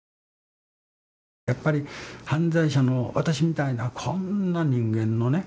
やっぱり犯罪者の私みたいなこんな人間のね